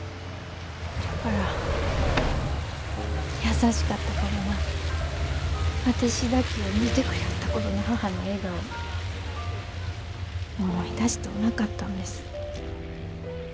じゃから優しかった頃の私だけを見てくりょおった頃の母の笑顔を思い出しとうなかったんです。